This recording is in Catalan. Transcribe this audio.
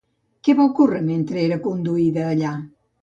Què va ocórrer mentre era conduïda allà?